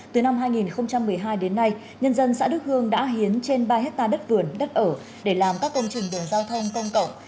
từ năm hai nghìn một mươi hai đến nay nhân dân xã đức hương đã hiến trên ba hectare đất vườn đất ở để làm các công trình đường giao thông công cộng